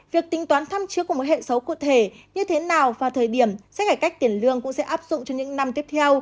việc tính toán tham chiếu của một hệ số cụ thể như thế nào vào thời điểm xét hải cách tiền lương cũng sẽ áp dụng cho những năm tiếp theo